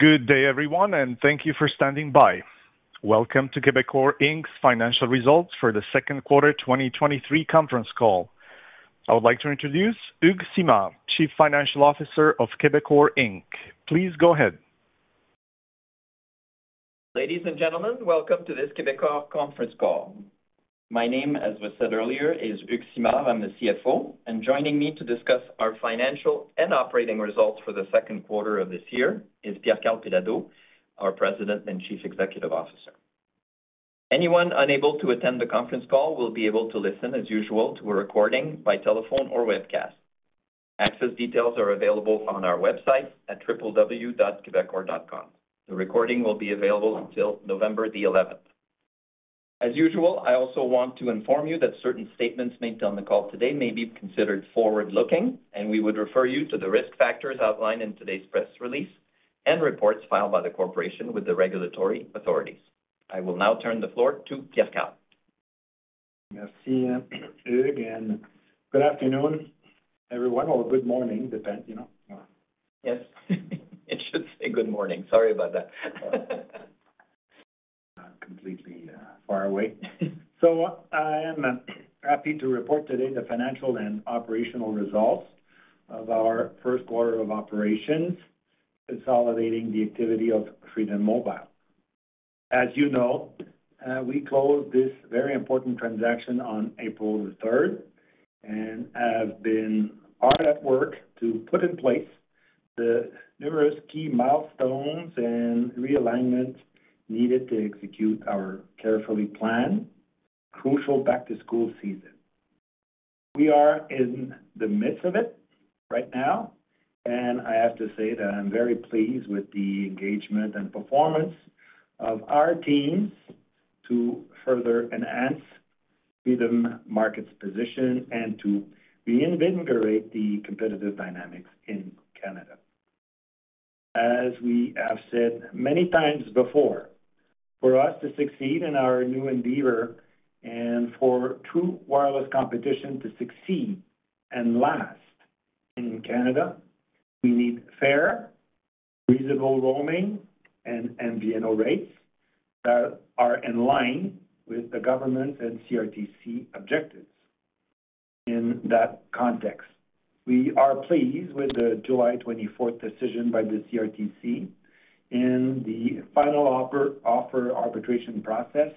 Good day, everyone, and thank you for standing by. Welcome to Quebecor Inc.'s Financial Results for the Q2 2023 Conference Call. I would like to introduce Hugues Simard, Chief Financial Officer of Quebecor Inc. Please go ahead. Ladies and gentlemen, welcome to this Quebecor conference call. My name, as was said earlier, is Hugues Simard. I'm the CFO, joining me to discuss our financial and operating results for the Q2 of this year is Pierre Karl Péladeau, our President and Chief Executive Officer. Anyone unable to attend the conference call will be able to listen as usual to a recording by telephone or webcast. Access details are available on our website at www.quebecor.com. The recording will be available until November the eleventh. As usual, I also want to inform you that certain statements made on the call today may be considered forward-looking, we would refer you to the risk factors outlined in today's press release and reports filed by the corporation with the regulatory authorities. I will now turn the floor to Pierre Karl. Merci, Hugues, good afternoon, everyone, or good morning. Depends, you know? Yes, it should say good morning. Sorry about that. ... Not completely far away. I am happy to report today the financial and operational results of our first quarter of operations, consolidating the activity of Freedom Mobile. You know, we closed this very important transaction on April the 3rd and have been hard at work to put in place the numerous key milestones and realignments needed to execute our carefully planned, crucial back-to-school season. We are in the midst of it right now, and I have to say that I'm very pleased with the engagement and performance of our teams to further enhance Freedom Market's position and to reinvigorate the competitive dynamics in Canada. As we have said many times before, for us to succeed in our new endeavor and for true wireless competition to succeed and last in Canada, we need fair, reasonable roaming and MVNO rates that are in line with the government and CRTC objectives. In that context, we are pleased with the July twenty-fourth decision by the CRTC in the final offer, offer arbitration process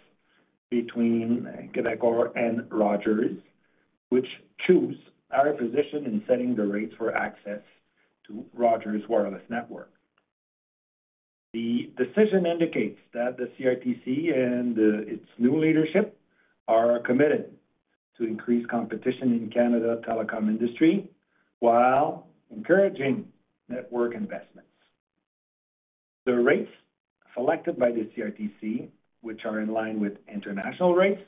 between Quebecor and Rogers, which choose our position in setting the rates for access to Rogers' wireless network. The decision indicates that the CRTC and its new leadership are committed to increase competition in Canada telecom industry while encouraging network investments. The rates selected by the CRTC, which are in line with international rates,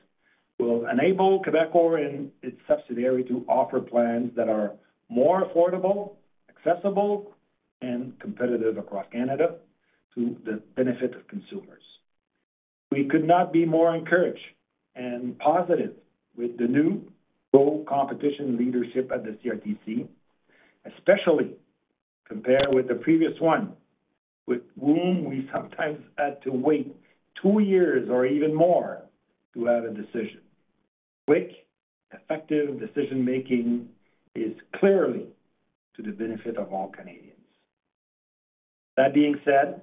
will enable Quebecor and its subsidiary to offer plans that are more affordable, accessible, and competitive across Canada to the benefit of consumers. We could not be more encouraged and positive with the new pro-competition leadership at the CRTC, especially compared with the previous one, with whom we sometimes had to wait two years or even more to have a decision. Quick, effective decision-making is clearly to the benefit of all Canadians. That being said,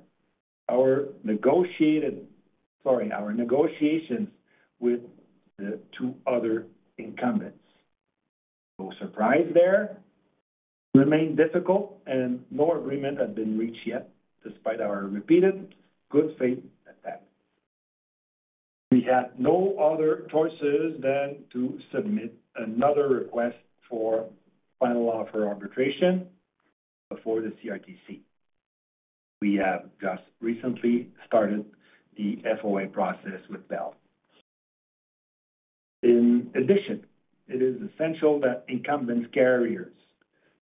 our negotiated... Sorry, our negotiations with the two other incumbents, no surprise there, remain difficult and no agreement has been reached yet, despite our repeated good-faith attempt. We had no other choices than to submit another request for final offer arbitration before the CRTC. We have just recently started the FOA process with Bell. In addition, it is essential that incumbents carriers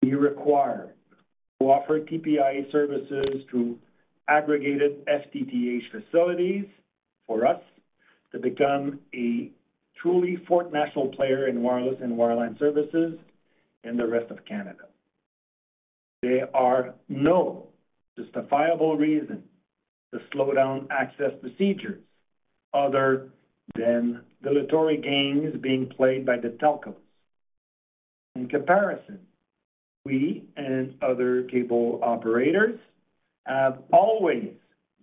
be required to offer TPIA services through aggregated FTTH facilities for us to become a truly fourth national player in wireless and wireline services in the rest of Canada. There are no justifiable reason to slow down access procedures other than dilatory games being played by the Telecoms. In comparison, we and other cable operators have always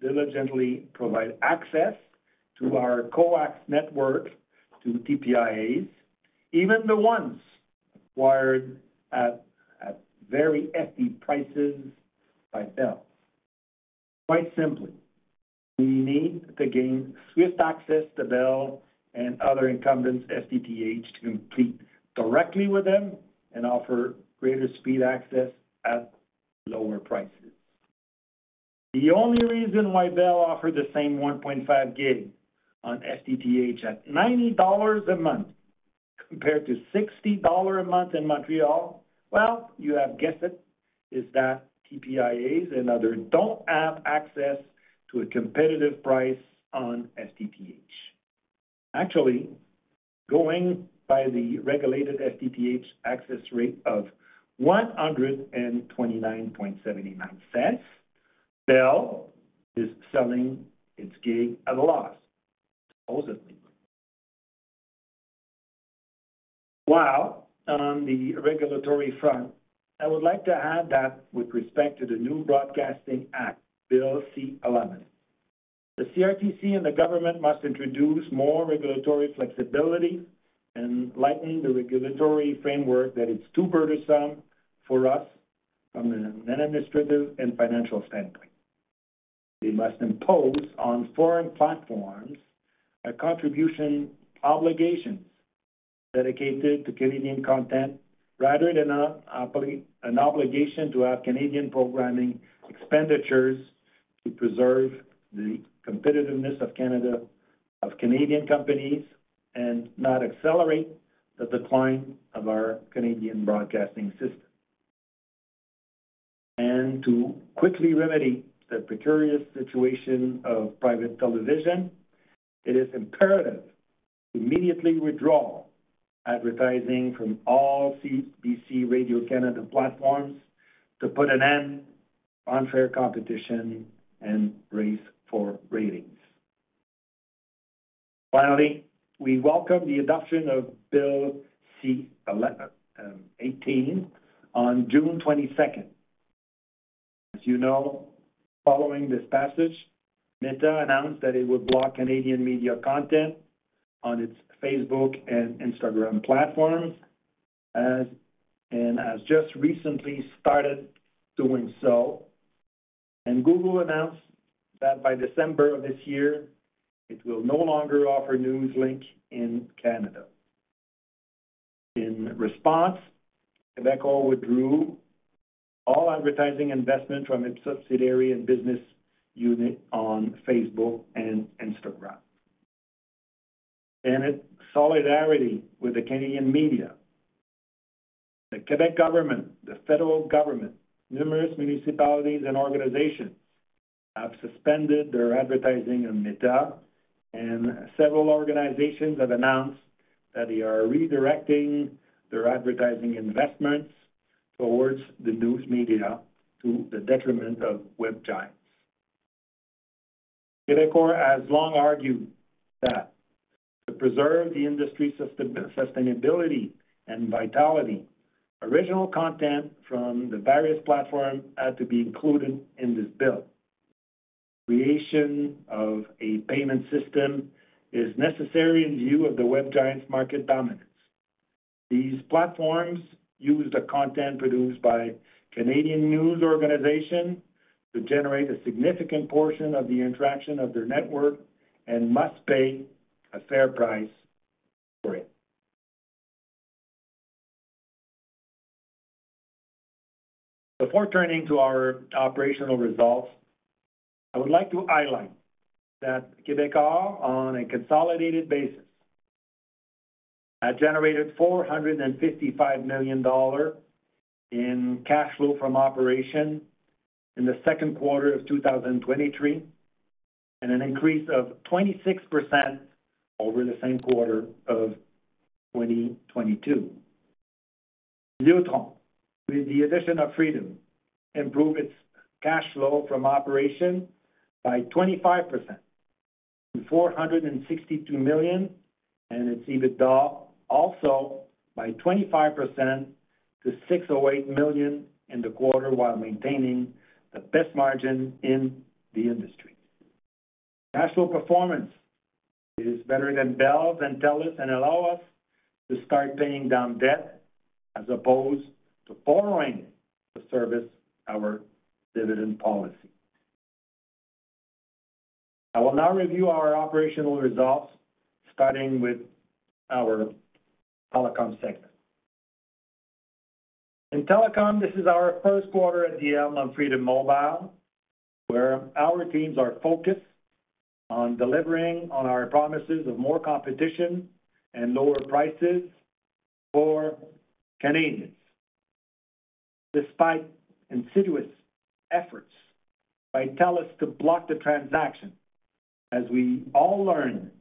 diligently provided access to our coax network to TPIAs, even the ones acquired at very hefty prices by Bell. Quite simply, we need to gain swift access to Bell and other incumbents, FTTH, to compete directly with them and offer greater speed access at lower prices. The only reason why Bell offered the same 1.5 gig on FTTH at 90 dollars a month, compared to 60 dollars a month in Montreal, well, you have guessed it, is that TPIAs and others don't have access to a competitive price on FTTH. Actually, going by the regulated FTTP access rate of 129.79, Bell is selling its gig at a loss, supposedly. While on the regulatory front, I would like to add that with respect to the new Broadcasting Act, Bill C-11, the CRTC and the government must introduce more regulatory flexibility and lightening the regulatory framework that is too burdensome for us from an administrative and financial standpoint. They must impose on foreign platforms a contribution obligation dedicated to Canadian content, rather than an obligation to have Canadian programming expenditures to preserve the competitiveness of Canada, of Canadian companies, and not accelerate the decline of our Canadian broadcasting system. To quickly remedy the precarious situation of private television, it is imperative to immediately withdraw advertising from all CBC Radio-Canada platforms to put an end to unfair competition and race for ratings. Finally, we welcome the adoption of Bill C-18 on June 22nd. As you know, following this passage, Meta announced that it would block Canadian media content on its Facebook and Instagram platforms and has just recently started doing so. Google announced that by December of this year, it will no longer offer News Showcase in Canada. In response, Quebecor withdrew all advertising investment from its subsidiary and business unit on Facebook and Instagram. In its solidarity with the Canadian media, the Quebec government, the federal government, numerous municipalities, and organizations have suspended their advertising on Meta, and several organizations have announced that they are redirecting their advertising investments towards the news media to the detriment of web giants. Quebecor has long argued that to preserve the industry's sustainability and vitality, original content from the various platforms had to be included in this bill. Creation of a payment system is necessary in view of the web giants' market dominance. These platforms use the content produced by Canadian news organizations to generate a significant portion of the interaction of their network and must pay a fair price for it. Before turning to our operational results, I would like to highlight that Quebecor, on a consolidated basis, has generated 455 million dollars in cash flow from operation in the Q2 of 2023, and an increase of 26% over the same quarter of 2022. The Telecom segment, with the addition of Freedom, improved its cash flow from operation by 25% to 462 million, and its EBITDA also by 25% to 608 million in the quarter, while maintaining the best margin in the industry. National performance is better than Bell's and Telus. Allow us to start paying down debt as opposed to borrowing to service our dividend policy. I will now review our operational results, starting with our Telecom segment. In Telecom, this is our first quarter at the helm of Freedom Mobile, where our teams are focused on delivering on our promises of more competition and lower prices for Canadians. Despite insidious efforts by Telus to block the transaction, as we all learned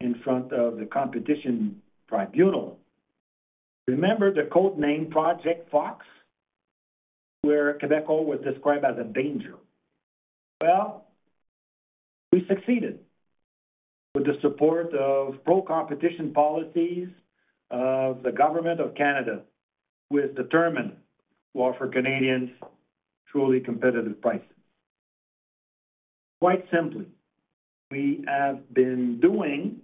in front of the Competition Tribunal. Remember the code-named Project Fox, where Quebecor was described as a danger? We succeeded with the support of pro-competition policies of the government of Canada, who is determined to offer Canadians truly competitive prices. Quite simply, we have been doing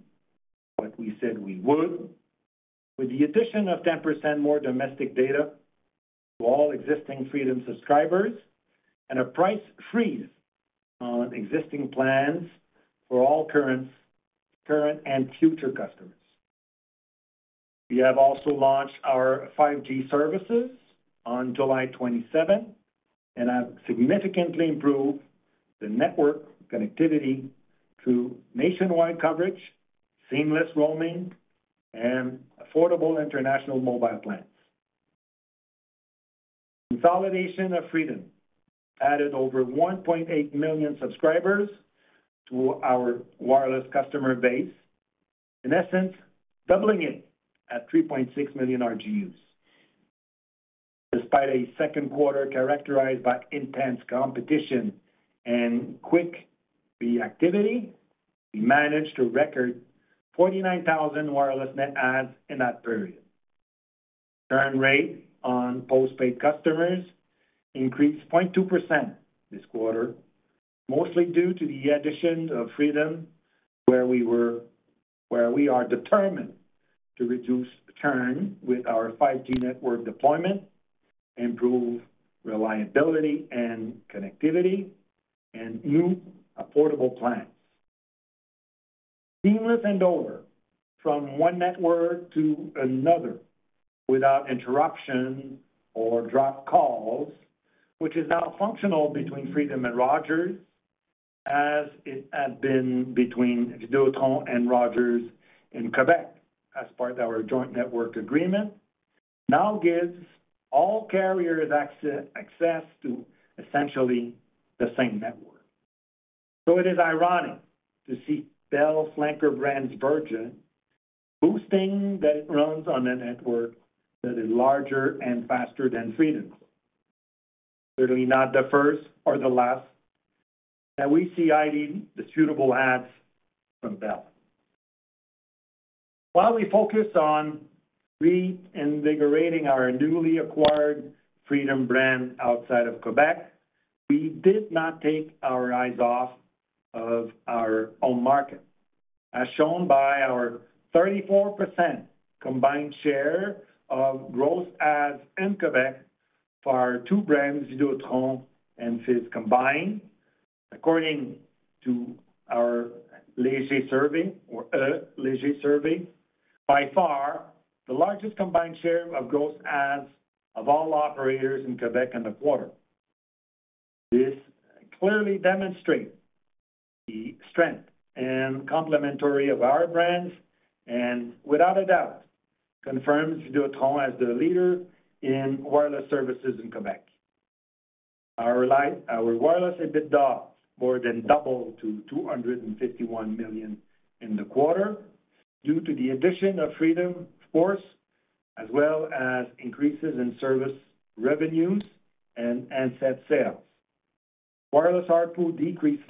what we said we would, with the addition of 10% more domestic data to all existing Freedom subscribers and a price freeze on existing plans for all current, current and future customers. We have also launched our 5G services on July 27 and have significantly improved the network connectivity to nationwide coverage, seamless roaming, and affordable international mobile plans. Consolidation of Freedom added over 1.8 million subscribers to our wireless customer base, in essence, doubling it at 3.6 million RGUs. Despite a Q2 characterized by intense competition and quick reactivity, we managed to record 49,000 wireless net adds in that period. Churn rate on postpaid customers increased 0.2% this quarter, mostly due to the addition of Freedom, where we are determined to reduce churn with our 5G network deployment, improve reliability and connectivity, and new affordable plans. Seamless handover from one network to another without interruption or dropped calls, which is now functional between Freedom and Rogers, as it had been between Videotron and Rogers in Quebec as part of our joint network agreement, now gives all carriers access, access to essentially the same network. It is ironic to see Bell's flanker brand, Virgin, boasting that it runs on a network that is larger and faster than Freedom's. Certainly not the first or the last that we see hiding disputable ads from Bell. While we focus on reinvigorating our newly acquired Freedom brand outside of Quebec, we did not take our eyes off of our own market, as shown by our 34% combined share of growth adds in Quebec for our two brands, Videotron and Fizz combined, according to our Léger survey or a Léger survey, by far the largest combined share of growth adds of all operators in Quebec in the quarter. This clearly demonstrates the strength and complementary of our brands and without a doubt confirms Videotron as the leader in wireless services in Quebec. Our wireless EBITDA more than doubled to 251 million in the quarter due to the addition of Freedom, of course, as well as increases in service revenues and handset sales. Wireless ARPU decreased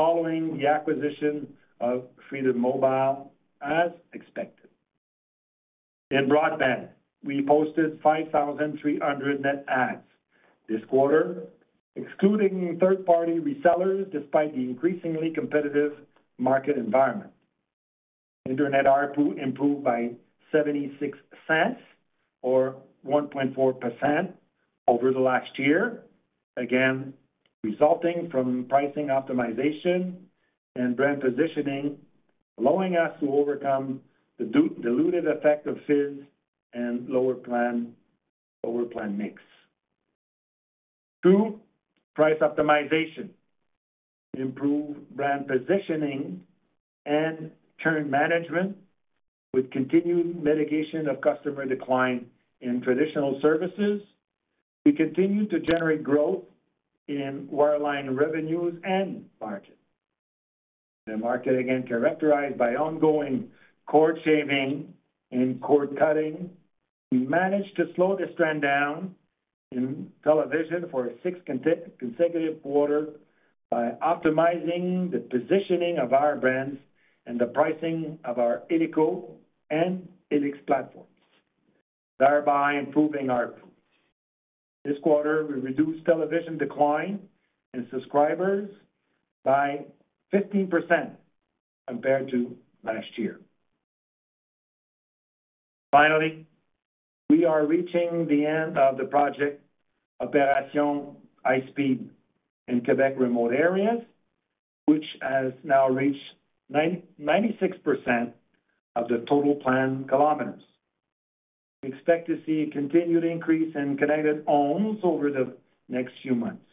slightly following the acquisition of Freedom Mobile, as expected. In broadband, we posted 5,300 net adds this quarter, excluding third-party resellers, despite the increasingly competitive market environment. Internet ARPU improved by 0.76 or 1.4% over the last year, again, resulting from pricing optimization and brand positioning, allowing us to overcome the diluted effect of Fizz and lower plan, lower plan mix. Through price optimization, improved brand positioning, and churn management, with continued mitigation of customer decline in traditional services, we continue to generate growth in wireline revenues and margins. In a market, again, characterized by ongoing cord shaving and cord cutting, we managed to slow this trend down in television for a 6th consecutive quarter by optimizing the positioning of our brands and the pricing of our illico and illico platforms, thereby improving our ARPU. This quarter, we reduced television decline in subscribers by 15% compared to last year. Finally, we are reaching the end of the project Opération haute vitesse in Quebec remote areas, which has now reached 96% of the total planned kilometers. We expect to see a continued increase in connected homes over the next few months.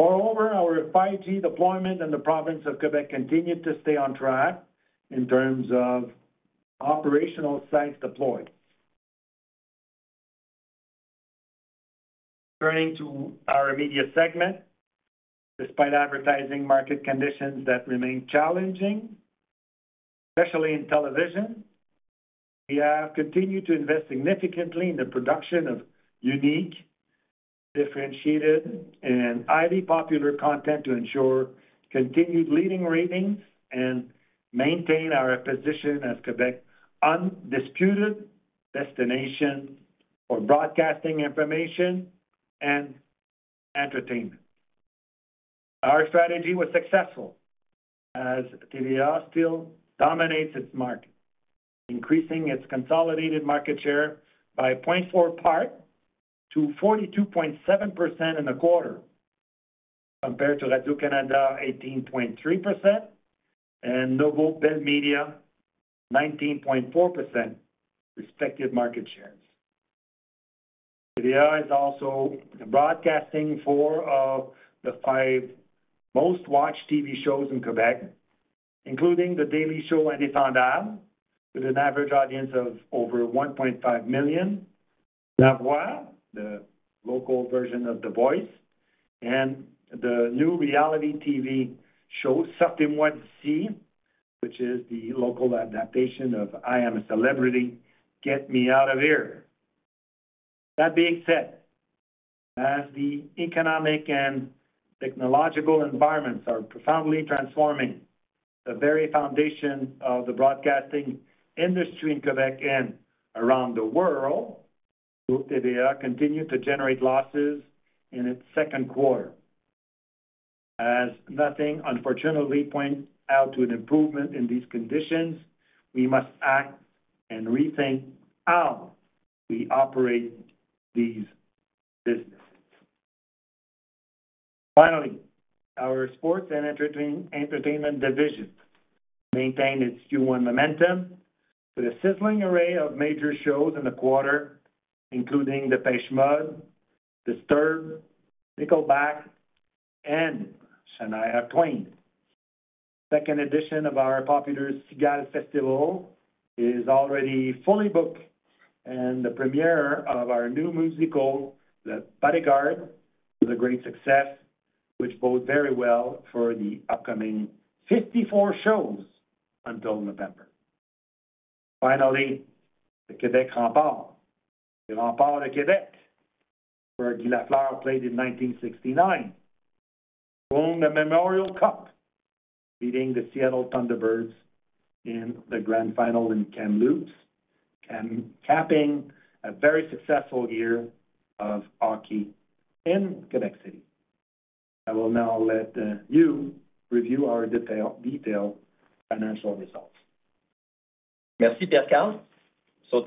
Our 5G deployment in the province of Quebec continued to stay on track in terms of operational sites deployed. Turning to our media segment. Despite advertising market conditions that remain challenging, especially in television, we have continued to invest significantly in the production of unique, differentiated, and highly popular content to ensure continued leading ratings and maintain our position as Quebec undisputed destination for broadcasting information and entertainment. Our strategy was successful, as TVA still dominates its market, increasing its consolidated market share by 0.4 part to 42.7% in the quarter, compared to Radio-Canada 18.3% and Bell Media 19.4% respective market shares. TVA is also broadcasting four of the five most-watched TV shows in Quebec, including The Daily Show Indéfendable, with an average audience of over 1.5 million. La Voix, the local version of The Voice, and the new reality TV show, Sortez-moi d'ici!, which is the local adaptation of I'm a Celebrity...Get Me Out of Here! That being said, as the economic and technological environments are profoundly transforming the very foundation of the broadcasting industry in Quebec and around the world, Group TVA continued to generate losses in its Q2. As nothing, unfortunately, points out to an improvement in these conditions, we must act and rethink how we operate these businesses. Finally, our sports and entertainment division maintained its Q1 momentum with a sizzling array of major shows in the quarter, including the Depeche Mode, Disturbed, Nickelback, and Shania Twain. Second edition of our popular Cigale Festival is already fully booked, and the premiere of our new musical, The Bodyguard, was a great success, which bodes very well for the upcoming 54 shows until November. Finally, the Quebec Remparts, Remparts de Québec, where Guy Lafleur played in 1969, won the Memorial Cup, beating the Seattle Thunderbirds in the grand final in Kamloops, and capping a very successful year of hockey in Quebec City. I will now let you review our detailed financial results. Merci, Pierre-Karl.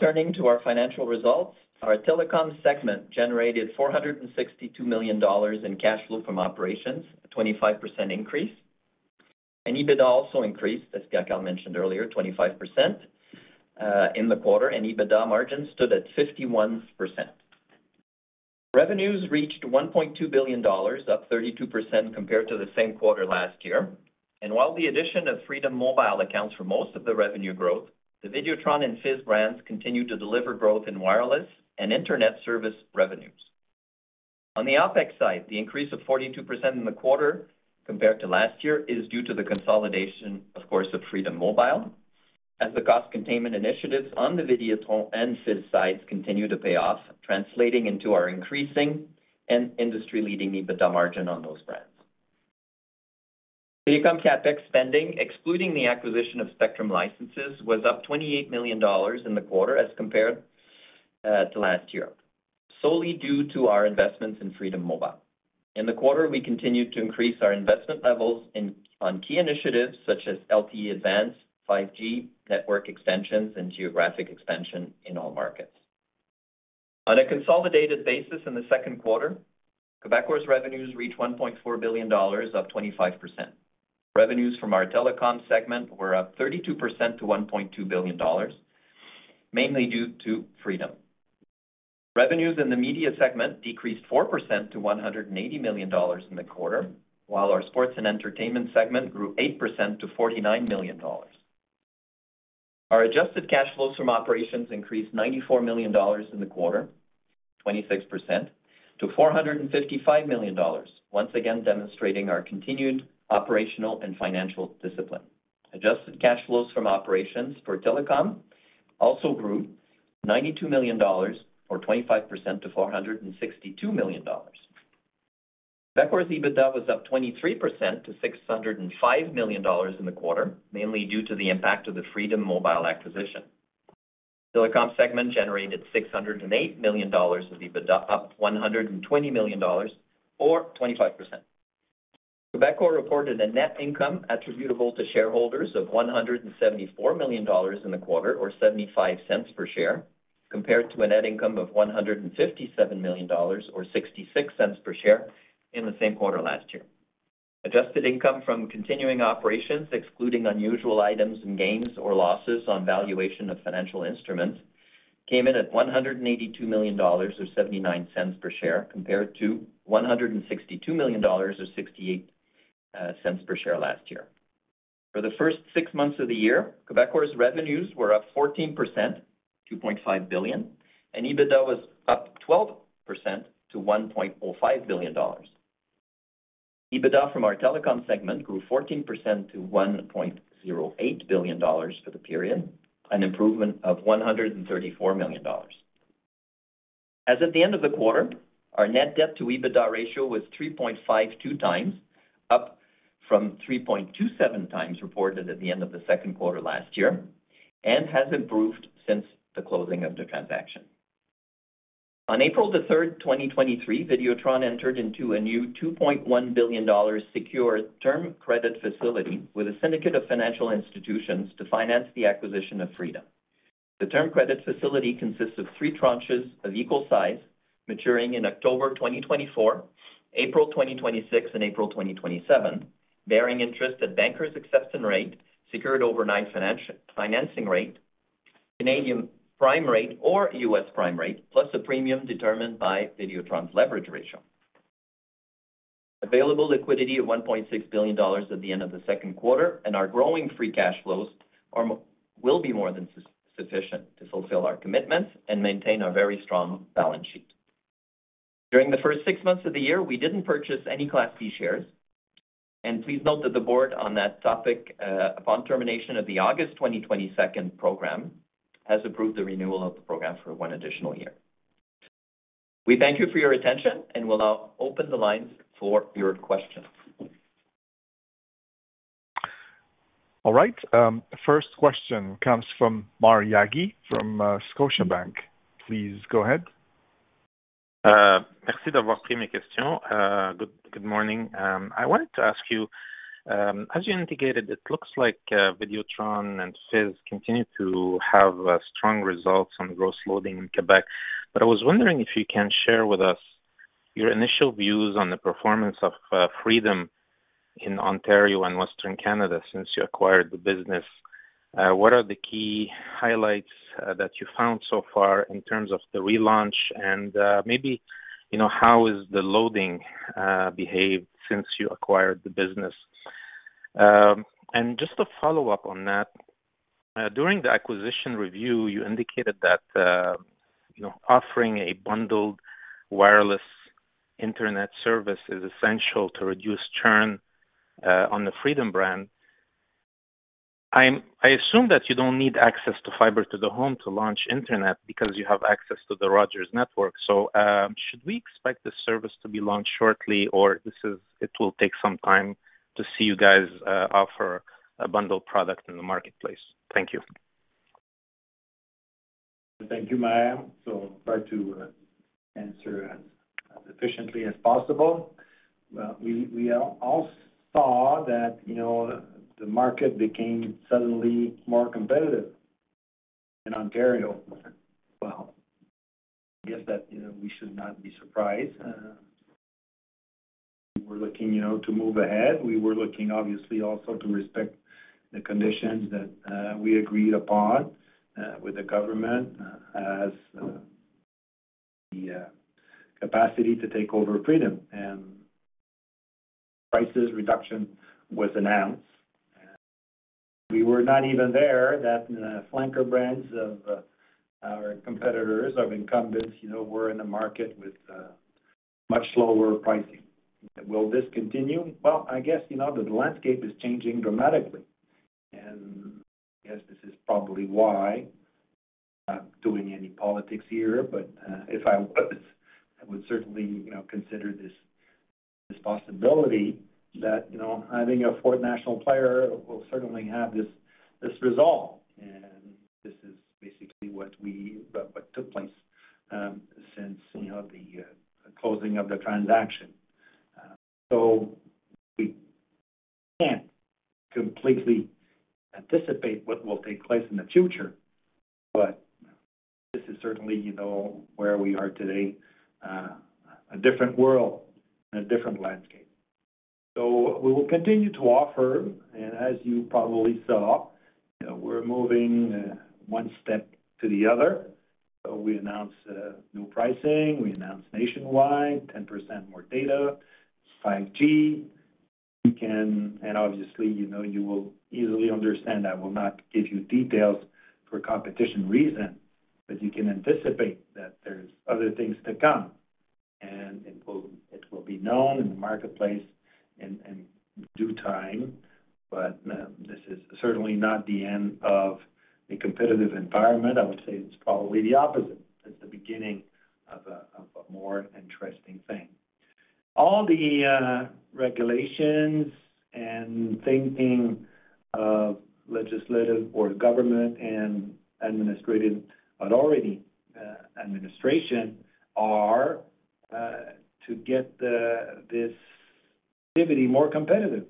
Turning to our financial results, our telecom segment generated $462 million in cash flow from operations, a 25% increase, and EBITDA also increased, as Pierre Karl mentioned earlier, 25% in the quarter, and EBITDA margin stood at 51%. Revenues reached $1.2 billion, up 32% compared to the same quarter last year. While the addition of Freedom Mobile accounts for most of the revenue growth, the Videotron and Fizz brands continue to deliver growth in wireless and internet service revenues. On the OpEx side, the increase of 42% in the quarter compared to last year is due to the consolidation, of course, of Freedom Mobile, as the cost containment initiatives on the Videotron and Fizz sides continue to pay off, translating into our increasing and industry-leading EBITDA margin on those brands. Telecom CapEx spending, excluding the acquisition of spectrum licenses, was up 28 million dollars in the quarter as compared to last year, solely due to our investments in Freedom Mobile. In the quarter, we continued to increase our investment levels on key initiatives such as LTE Advanced, 5G, network extensions, and geographic expansion in all markets. On a consolidated basis in the Q2, Quebecor's revenues reached 1.4 billion dollars, up 25%. Revenues from our telecom segment were up 32% to 1.2 billion dollars, mainly due to Freedom. Revenues in the media segment decreased 4% to 180 million dollars in the quarter, while our sports and entertainment segment grew 8% to 49 million dollars. Our adjusted cash flows from operations increased 94 million dollars in the quarter, 26%, to 455 million dollars, once again demonstrating our continued operational and financial discipline. Adjusted cash flows from operations for Telecom also grew 92 million dollars, or 25% to 462 million dollars. Quebecor's EBITDA was up 23% to 605 million dollars in the quarter, mainly due to the impact of the Freedom Mobile acquisition. Telecom segment generated 608 million dollars of EBITDA, up 120 million dollars, or 25%. Quebecor reported a net income attributable to shareholders of 174 million dollars in the quarter, or 0.75 per share, compared to a net income of 157 million dollars, or 0.66 per share in the same quarter last year. Adjusted income from continuing operations, excluding unusual items and gains or losses on valuation of financial instruments, came in at $182 million, or $0.79 per share, compared to $162 million, or $0.68 per share last year. For the first six months of the year, Quebecor's revenues were up 14%, $2.5 billion, and EBITDA was up 12% to $1.05 billion. EBITDA from our telecom segment grew 14% to $1.08 billion for the period, an improvement of $134 million. As at the end of the quarter, our net debt to EBITDA ratio was 3.52 times, up from 3.27 times reported at the end of the Q2 last year and has improved since the closing of the transaction. On April 3, 2023, Videotron entered into a new $2.1 billion secured term credit facility with a syndicate of financial institutions to finance the acquisition of Freedom. The term credit facility consists of three tranches of equal size, maturing in October 2024, April 2026, and April 2027, bearing interest at bankers' acceptance rate, secured overnight financing rate, Canadian prime rate or U.S. prime rate, plus a premium determined by Videotron's leverage ratio. Available liquidity of $1.6 billion at the end of the Q2, and our growing free cash flows are, will be more than sufficient to fulfill our commitments and maintain our very strong balance sheet. During the first six months of the year, we didn't purchase any Class B shares. Please note that the board on that topic, upon termination of the August 22nd program, has approved the renewal of the program for one additional year. We thank you for your attention and will now open the lines for your questions. All right. First question comes from Maher Yaghi from Scotiabank. Please go ahead. Good, good morning. I wanted to ask you, as you indicated, it looks like Videotron and Fizz continue to have strong results on gross loading in Quebec. I was wondering if you can share with us your initial views on the performance of Freedom in Ontario and Western Canada since you acquired the business. What are the key highlights that you found so far in terms of the relaunch and, you know, how is the loading behaved since you acquired the business? Just to follow up on that, during the acquisition review, you indicated that, you know, offering a bundled wireless internet service is essential to reduce churn on the Freedom brand. I assume that you don't need access to fiber-to-the-home to launch internet because you have access to the Rogers network. should we expect this service to be launched shortly, or it will take some time to see you guys offer a bundled product in the marketplace? Thank you. Thank you, Maher. I'll try to answer as, as efficiently as possible. We, we all saw that, you know, the market became suddenly more competitive in Ontario. I guess that, you know, we should not be surprised. We're looking, you know, to move ahead. We were looking, obviously, also to respect the conditions that we agreed upon with the government as the capacity to take over Freedom, and prices reduction was announced. We were not even there, that flanker brands of our competitors, of incumbents, you know, were in the market with much lower pricing. Will this continue? I guess, you know, the landscape is changing dramatically, and I guess this is probably why. I'm not doing any politics here, but if I was, I would certainly, you know, consider this, this possibility that, you know, having a fourth national player will certainly have this, this result. This is basically what we, what, what took place since, you know, the closing of the transaction. We can't completely anticipate what will take place in the future, but this is certainly, you know, where we are today. A different world and a different landscape. We will continue to offer, and as you probably saw, you know, we're moving one step to the other. We announced new pricing. We announced nationwide, 10% more data, 5G. You can. Obviously, you know, you will easily understand I will not give you details for competition reasons, but you can anticipate that there's other things to come. It will, it will be known in the marketplace in, in due time. This is certainly not the end of the competitive environment. I would say it's probably the opposite. It's the beginning of a, of a more interesting thing. All the regulations and thinking of legislative or government and administrative authority, administration, are to get this activity more competitive.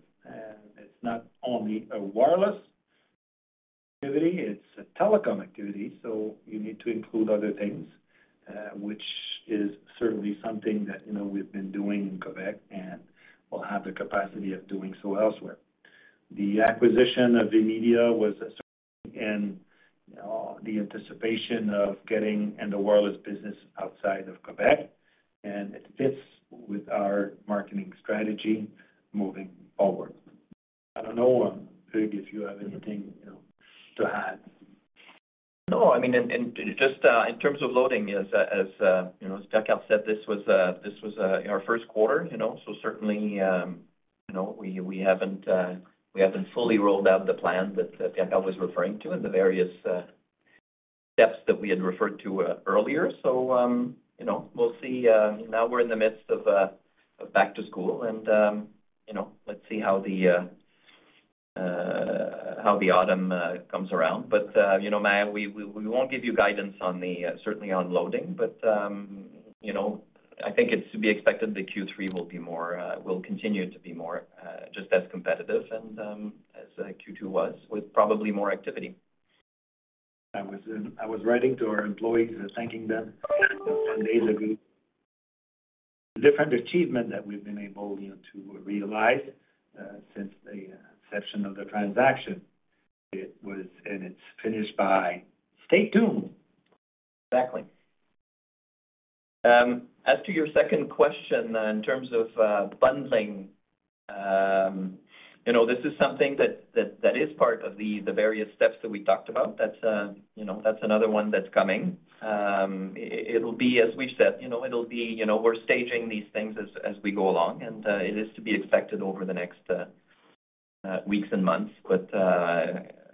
It's not only a wireless activity, it's a telecom activity, so you need to include other things, which is certainly something that, you know, we've been doing in Quebec and will have the capacity of doing so elsewhere. The acquisition of VMedia was a certain, and the anticipation of getting in the wireless business outside of Quebec, and it fits with our marketing strategy moving forward. I don't know, PK, if you have anything, you know, to add. No, I mean, just in terms of loading, as, as, you know, as Jacques said, this was, this was our first quarter, you know, so certainly, you know, we haven't, we haven't fully rolled out the plan that Jacques was referring to and the various steps that we had referred to earlier. You know, we'll see. Now we're in the midst of back to school and, you know, let's see how the autumn comes around. You know, Maher, we, we, we won't give you guidance on the, certainly on loading, but, you know, I think it's to be expected that Q3 will be more, will continue to be more, just as competitive and, as, Q2 was, with probably more activity. I was writing to our employees, thanking them a few days ago. Different achievement that we've been able, you know, to realize, since the inception of the transaction. It was, it's finished by, "Stay tuned!" Exactly. As to your second question, in terms of bundling, you know, this is something that is part of the various steps that we talked about. That's, you know, that's another one that's coming. It will be as we've said, you know, it'll be, you know, we're staging these things as we go along, it is to be expected over the next weeks and months.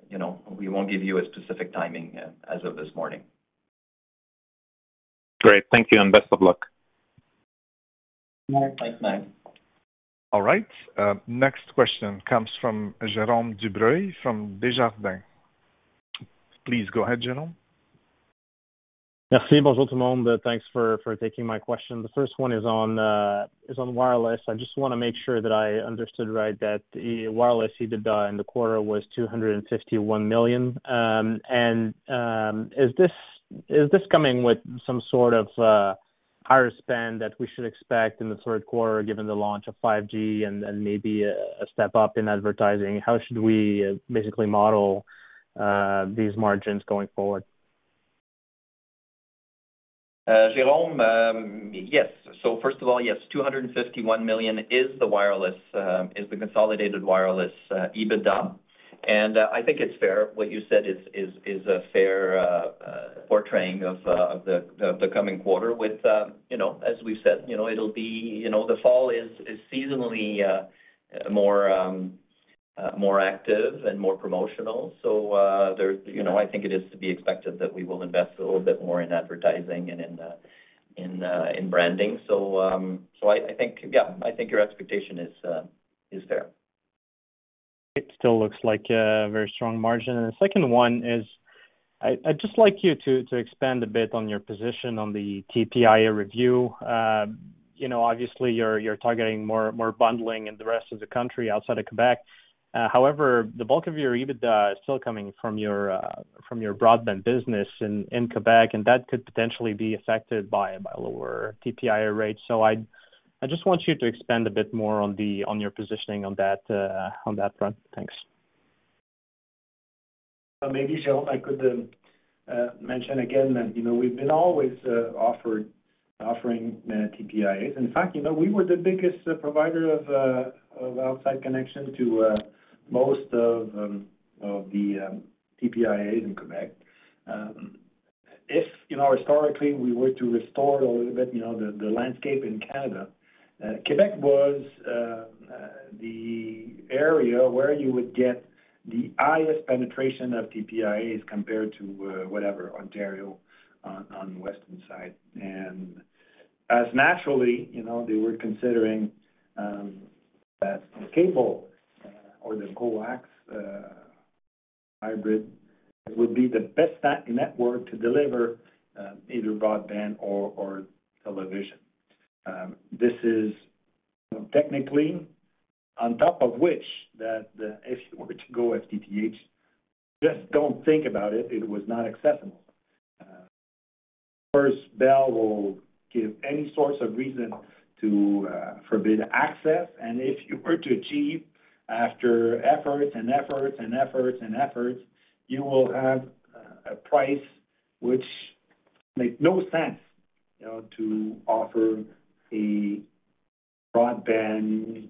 You know, we won't give you a specific timing as of this morning. Great. Thank you, and best of luck. Thanks, man. All right. Next question comes from Jérome Dubreuil from Desjardins. Please go ahead, Jérome. Merci, bonjour, everyone. Thanks for, for taking my question. The first one is on, is on wireless. I just wanna make sure that I understood right, that the wireless EBITDA in the quarter was 251 million. Is this, is this coming with some sort of, higher spend that we should expect in the third quarter, given the launch of 5G and, and maybe a, a step up in advertising? How should we basically model, these margins going forward? Jérome, yes. First of all, yes, 251 million is the wireless, is the consolidated wireless EBITDA. I think it's fair. What you said is, is, is a fair portraying of the coming quarter with, you know, as we've said, you know, it'll be. You know, the fall is seasonally more active and more promotional. There, you know, I think it is to be expected that we will invest a little bit more in advertising and in branding. I, I think, yeah, I think your expectation is there. It still looks like a very strong margin. The second one is, I'd just like you to expand a bit on your position on the TPIA review. You know, obviously, you're targeting more bundling in the rest of the country outside of Quebec. The bulk of your EBITDA is still coming from your from your broadband business in Quebec, and that could potentially be affected by lower TPIA rates. I just want you to expand a bit more on your positioning on that front. Thanks. Maybe, Jérome, I could mention again that, you know, we've been always offered, offering TPIAs. In fact, you know, we were the biggest provider of outside connection to most of the TPIAs in Quebec. If, you know, historically, we were to restore a little bit, you know, the landscape in Canada, Quebec was the area where you would get the highest penetration of TPIAs compared to, whatever, Ontario on the western side. As naturally, you know, they were considering that the cable or the coax hybrid, it would be the best network to deliver either broadband or television. This is technically on top of which that the. If you were to go FTTH, just don't think about it, it was not accessible. First, Bell will give any sorts of reason to forbid access, and if you were to achieve, after efforts and efforts, and efforts, and efforts, you will have a price which make no sense, you know, to offer a broadband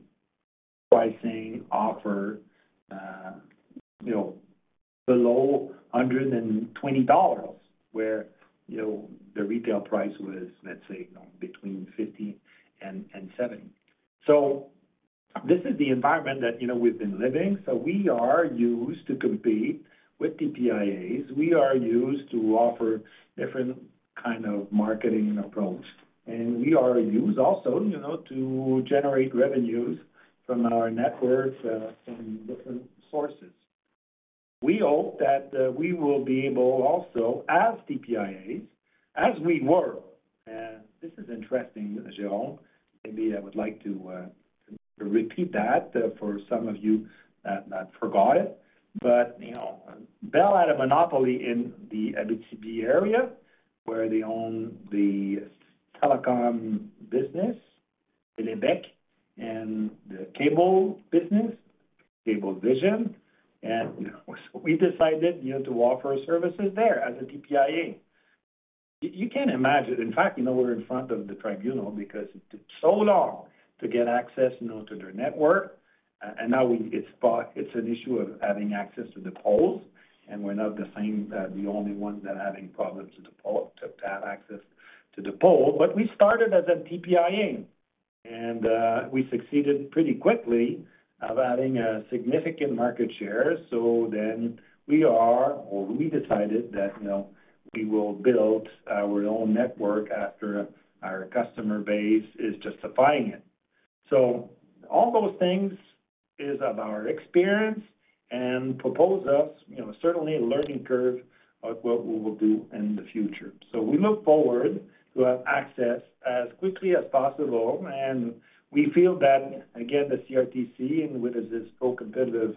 pricing offer, you know, below 120 dollars, where, you know, the retail price was, let's say, between 50 and 70. This is the environment that, you know, we've been living, so we are used to compete with TPIAs. We are used to offer different kind of marketing approach, and we are used also, you know, to generate revenues from our networks from different sources. We hope that we will be able also, as TPIAs, as we were, and this is interesting, Jérome, maybe I would like to repeat that for some of you that forgot it. You know, Bell had a monopoly in the Abitibi area, where they own the telecom business, Télébec, and the cable business, Cablevision. You know, we decided, you know, to offer services there as a TPIA. You can imagine. In fact, you know, we're in front of the Competition Tribunal because it took so long to get access, you know, to their network, and now it's back, it's an issue of having access to the poles, and we're not the same, the only ones that are having problems to have access to the pole. We started as a TPIA, and we succeeded pretty quickly of adding a significant market share. We are, or we decided that, you know, we will build our own network after our customer base is justifying it. All those things is of our experience and propose us, you know, certainly a learning curve of what we will do in the future. We look forward to have access as quickly as possible, and we feel that, again, the CRTC, and with this procompetitive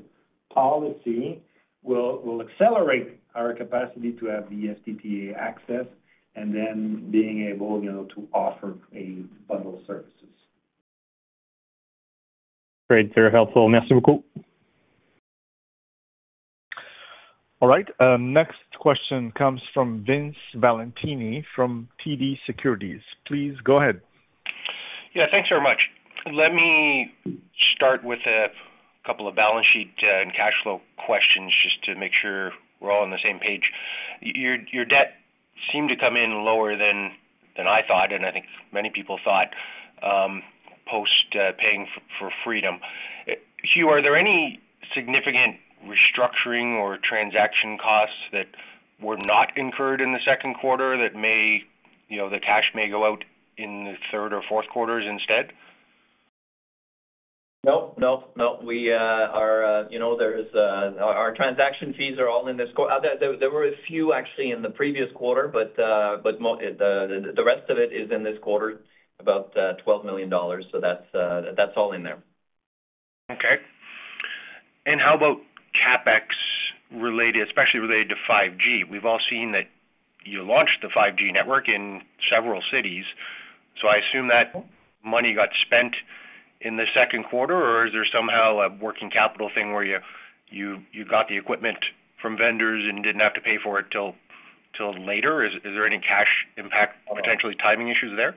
policy, will, will accelerate our capacity to have the TPIA access, and then being able, you know, to offer a bundle services. Great, very helpful. Merci beaucoup. All right, next question comes from Vince Valentini, from TD Securities. Please go ahead. Yeah, thanks very much. Let me start with a couple of balance sheet and cash flow questions, just to make sure we're all on the same page. Your, your debt seemed to come in lower than, than I thought, and I think many people thought, post, paying for Freedom. Hugh, are there any significant restructuring or transaction costs that were not incurred in the Q2 that may, you know, the cash may go out in the third or fourth quarters instead? Nope, nope, nope. We are, you know, there's our transaction fees are all in this quarter. There, there were a few actually in the previous quarter, the rest of it is in this quarter, about 12 million dollars, that's all in there. Okay. How about CapEx related, especially related to 5G? We've all seen that you launched the 5G network in several cities, so I assume that money got spent in the Q2, or is there somehow a working capital thing where you got the equipment from vendors and didn't have to pay for it till later? Is there any cash impact, potentially timing issues there?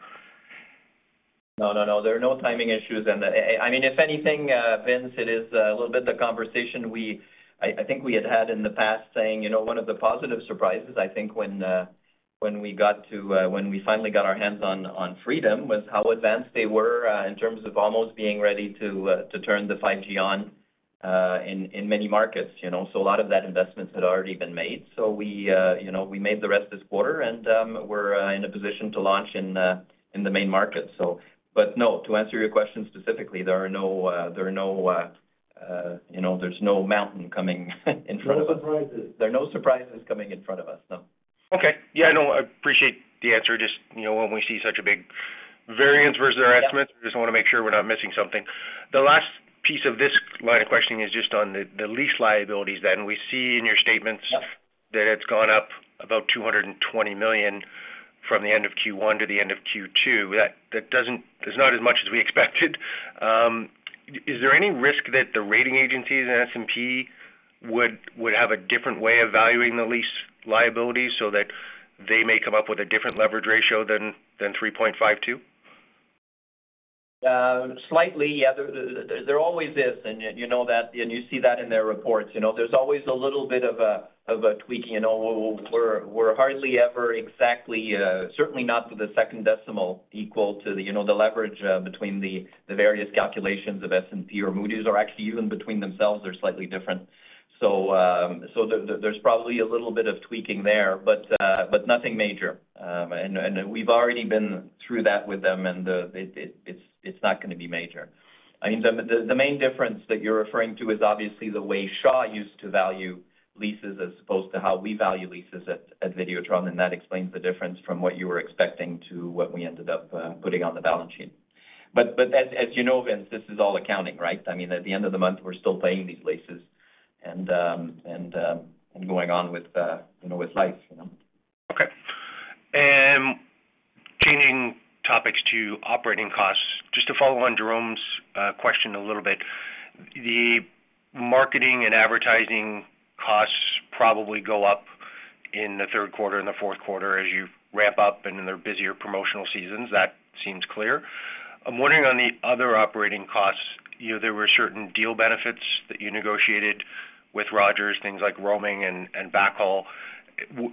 No, no, no. There are no timing issues. I mean, if anything, Vince, it is a little bit the conversation we... I think we had had in the past saying, you know, one of the positive surprises, I think when we got to, when we finally got our hands on Freedom, was how advanced they were in terms of almost being ready to turn the 5G on in many markets, you know. A lot of that investment had already been made. We, you know, we made the rest this quarter, and we're in a position to launch in the main market. But no, to answer your question specifically, there are no, there are no, you know, there's no mountain coming, in front of us. No surprises. There are no surprises coming in front of us, no. Okay. Yeah, I know. I appreciate the answer. Just, you know, when we see such a big variance versus our estimates, just wanna make sure we're not missing something. The last piece of this line of questioning is just on the lease liabilities then. We see in your statements- Yep. -that it's gone up about $220 million from the end of Q1 to the end of Q2. That, that doesn't, that's not as much as we expected. Is there any risk that the rating agencies and S&P would, would have a different way of valuing the lease liabilities so that they may come up with a different leverage ratio than, than 3.52? Slightly, yeah. There, there always is, and you know that, and you see that in their reports. You know, there's always a little bit of a, of a tweaking. You know, we're, we're hardly ever exactly, certainly not to the second decimal, equal to the, you know, the leverage, between the, the various calculations of S&P or Moody's, or actually, even between themselves, they're slightly different. There, there's probably a little bit of tweaking there, but nothing major. We've already been through that with them, it's not gonna be major. I mean, the, the, the main difference that you're referring to is obviously the way Shaw used to value leases, as opposed to how we value leases at, at Videotron, and that explains the difference from what you were expecting to what we ended up putting on the balance sheet. As you know, Vince, this is all accounting, right? I mean, at the end of the month, we're still paying these leases and going on with, you know, with life, you know? Okay. Changing topics to operating costs, just to follow on Jérome's question a little bit. The marketing and advertising costs probably go up in the third quarter and the fourth quarter as you wrap up and in their busier promotional seasons. That seems clear. I'm wondering on the other operating costs, you know, there were certain deal benefits that you negotiated with Rogers, things like roaming and backhaul.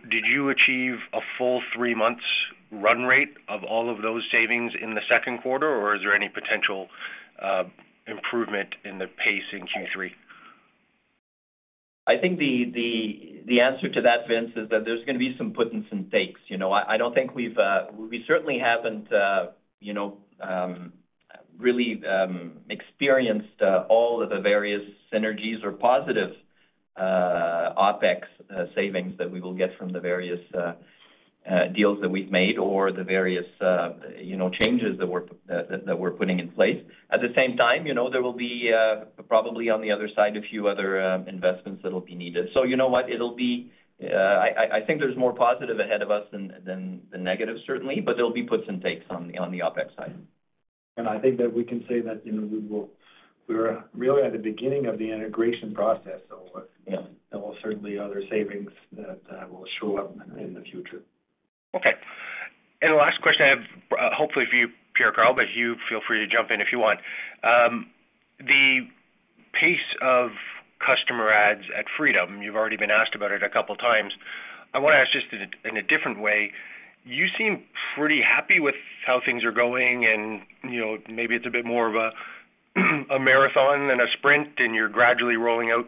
Did you achieve a full three months run rate of all of those savings in the Q2, or is there any potential improvement in the pace in Q3? I think the, the, the answer to that, Vince, is that there's gonna be some puts and some takes. You know, I, I don't think we've, we certainly haven't, you know, really experienced, all of the various synergies or positive, OpEx, savings that we will get from the various, deals that we've made or the various, you know, changes that we're, that, that we're putting in place. At the same time, you know, there will be, probably on the other side, a few other, investments that will be needed. You know what? It'll be, I, I, I think there's more positive ahead of us than, than the negative, certainly, but there'll be puts and takes on the, on the OpEx side. I think that we can say that, you know, we're really at the beginning of the integration process. Yes. There will certainly other savings that will show up in the future. Okay. The last question I have, hopefully for you, Pierre Karl, but you feel free to jump in if you want. The pace of customer ads at Freedom, you've already been asked about it 2 times. I wanna ask just in a, in a different way: You seem pretty happy with how things are going and, you know, maybe it's a bit more of a, a marathon than a sprint, and you're gradually rolling out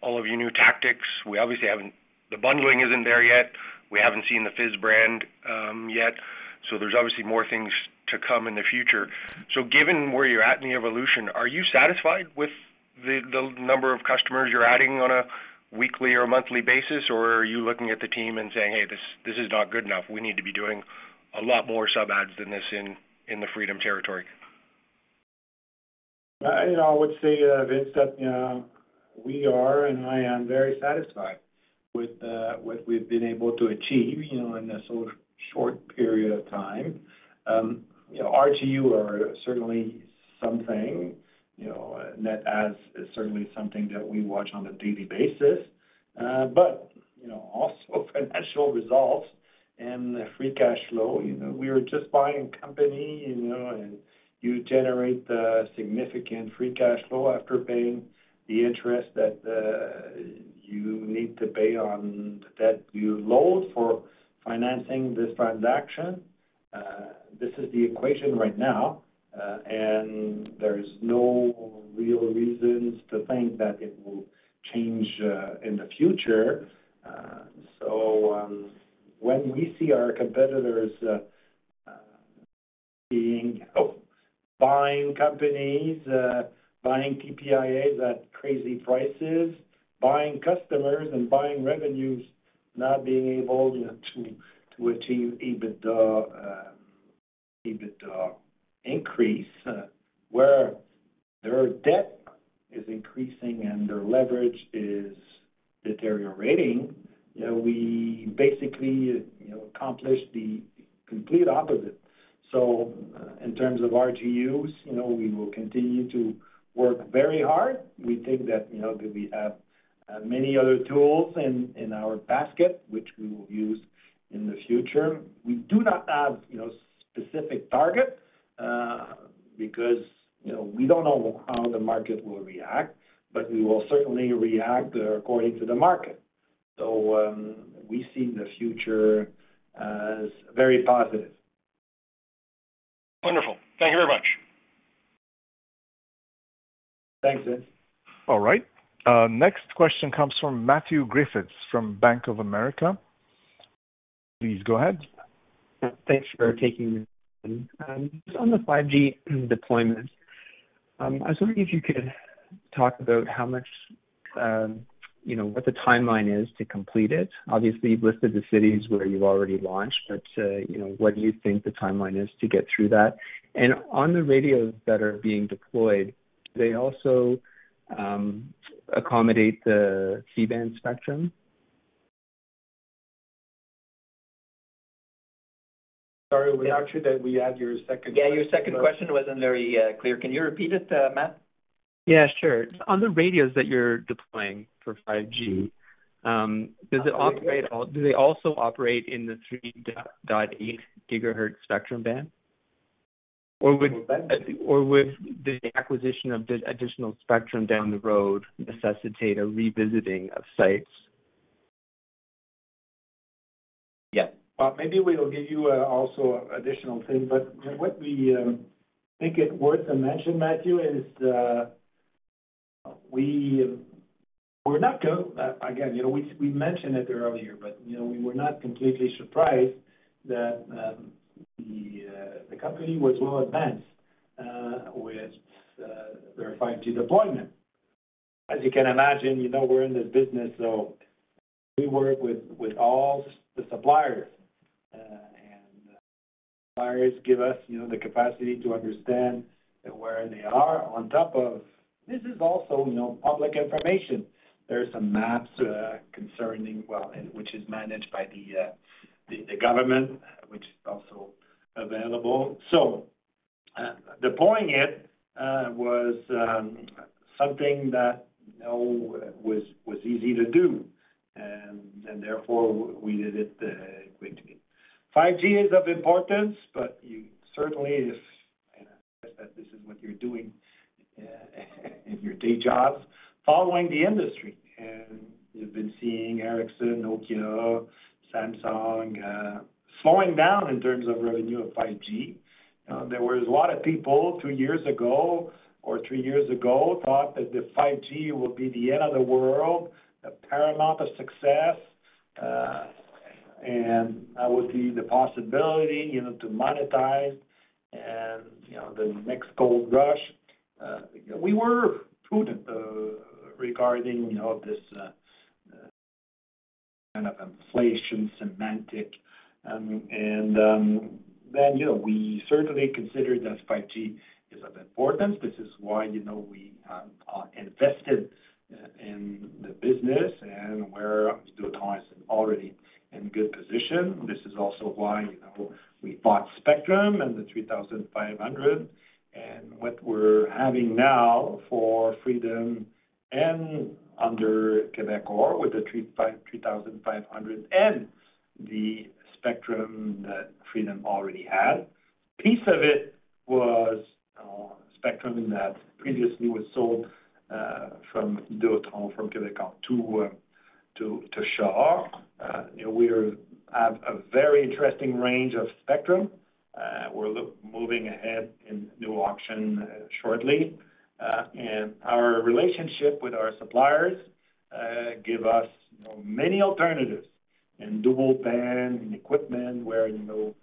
all of your new tactics. We obviously haven't. The bundling isn't there yet. We haven't seen the Fizz brand yet, so there's obviously more things to come in the future. Given where you're at in the evolution, are you satisfied with the number of customers you're adding on a weekly or monthly basis, or are you looking at the team and saying, "Hey, this, this is not good enough. We need to be doing a lot more sub adds than this in, in the Freedom territory? I, you know, I would say, Vince, that, you know, we are, and I am very satisfied. ... with what we've been able to achieve, you know, in a so short period of time. You know, RGU are certainly something, you know, net adds is certainly something that we watch on a daily basis. You know, also financial results and free cash flow. You know, we are just buying company, you know, and you generate a significant free cash flow after paying the interest that you need to pay on the debt you load for financing this transaction. This is the equation right now, and there's no real reasons to think that it will change in the future. When we see our competitors, being, buying companies, buying TPIAs at crazy prices, buying customers and buying revenues, not being able to, to achieve EBITDA, EBITDA increase, where their debt is increasing and their leverage is deteriorating, you know, we basically, you know, accomplished the complete opposite. In terms of RGUs, you know, we will continue to work very hard. We think that, you know, that we have many other tools in, in our basket, which we will use in the future. We do not have, you know, specific target, because, you know, we don't know how the market will react, but we will certainly react according to the market. We see the future as very positive. Wonderful. Thank you very much. Thanks, Vince. All right. Next question comes from Matthew Griffiths, from Bank of America. Please go ahead. Thanks for taking this. Just on the 5G deployment, I was wondering if you could talk about how much, you know, what the timeline is to complete it. Obviously, you've listed the cities where you've already launched, but, you know, what do you think the timeline is to get through that? On the radios that are being deployed, do they also accommodate the C-band spectrum? Sorry, we asked you that we had your second question. Yeah, your second question wasn't very clear. Can you repeat it, Matt? Yeah, sure. On the radios that you're deploying for 5G, does it operate... Operate. Do they also operate in the 3.8 GHz spectrum band? Which band? Would the acquisition of the additional spectrum down the road necessitate a revisiting of sites? Yeah. Well, maybe we'll give you also additional things. What we think it's worth to mention, Matthew, is we were not again, you know, we, we mentioned it earlier, but, you know, we were not completely surprised that the company was well advanced with their 5G deployment. As you can imagine, you know, we're in the business, so we work with, with all the suppliers, and suppliers give us, you know, the capacity to understand where they are on top of... This is also, you know, public information. There are some maps, concerning, well, which is managed by the government, which is also available. Deploying it was something that, you know, was, was easy to do, and therefore, we did it quickly. 5G is of importance, but you certainly, if that this is what you're doing in your day jobs, following the industry. We've been seeing Ericsson, Nokia, Samsung, slowing down in terms of revenue of 5G. There was a lot of people two years ago or three years ago, thought that the 5G would be the end of the world, a paramount of success, and that would be the possibility, you know, to monetize and, you know, the next gold rush. We were prudent regarding, you know, this kind of inflation semantic. You know, we certainly consider that 5G is of importance. This is why, you know, we invested in the business and we're, Videotron is already in good position. This is also why, you know, we bought Spectrum and the 3,500, and what we're having now for Freedom and under Quebecor, with the 3,500 and the spectrum that Freedom already had. Piece of it was spectrum that previously was sold from Videotron, from Quebecor to Shaw. You know, we have a very interesting range of spectrum. We're moving ahead in new auction shortly. And our relationship with our suppliers give us, you know, many alternatives in dual band and equipment where, you know,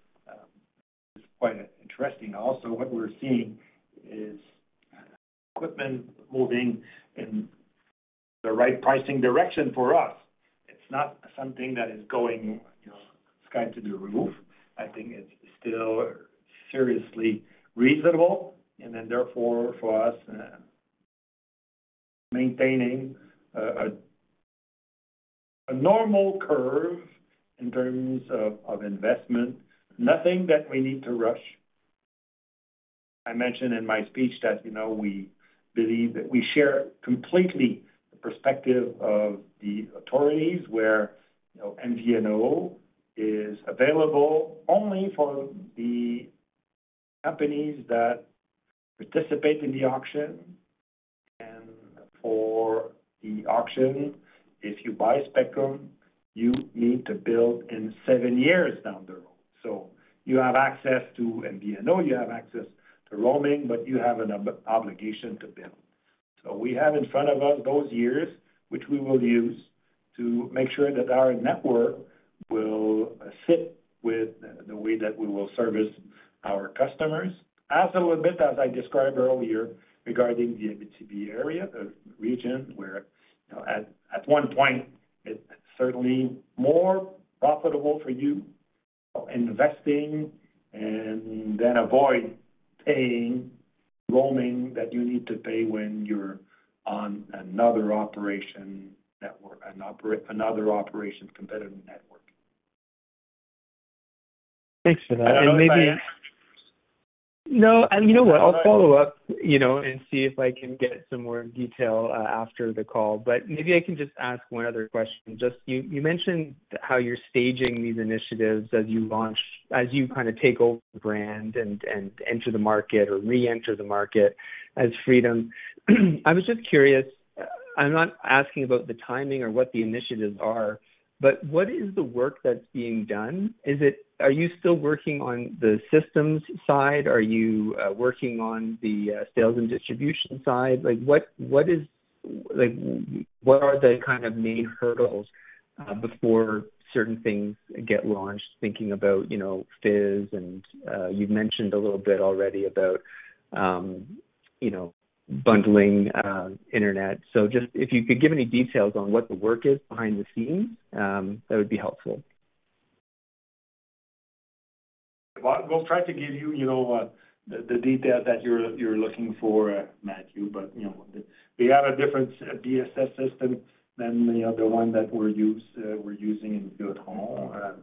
it's quite interesting. Also, what we're seeing is equipment moving in the right pricing direction for us. It's not something that is going, you know.... sky to the roof. I think it's still seriously reasonable, and then therefore, for us, maintaining, a, a normal curve in terms of, of investment, nothing that we need to rush. I mentioned in my speech that, you know, we believe that we share completely the perspective of the authorities where, you know, MVNO is available only for the companies that participate in the auction. For the auction, if you buy spectrum, you need to build in seven years down the road. You have access to MVNO, you have access to roaming, but you have an obligation to build. We have in front of us those years, which we will use to make sure that our network will fit with the way that we will service our customers. As a little bit as I described earlier, regarding the Abitibi area, the region where, you know, at one point, it's certainly more profitable for you investing and then avoid paying roaming that you need to pay when you're on another operation network, another operation competitive network. Thanks for that. maybe- I don't know if. No, you know what? I'll follow up, you know, and see if I can get some more detail after the call. Maybe I can just ask one other question. Just you, you mentioned how you're staging these initiatives as you launch, as you kind of take over the brand and, and enter the market or reenter the market as Freedom. I was just curious, I'm not asking about the timing or what the initiatives are, but what is the work that's being done? Is it... Are you still working on the systems side? Are you working on the sales and distribution side? Like, what, what is, like, what are the kind of main hurdles before certain things get launched? Thinking about, you know, Fizz and you've mentioned a little bit already about, you know, bundling internet. Just if you could give any details on what the work is behind the scenes, that would be helpful. We'll try to give you, you know, the detail that you're, you're looking for, Matthew, but, you know, we have a different BSS system than, you know, the one that we're use, we're using in Videotron.